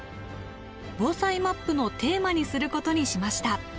防災マップのテーマにすることにしました。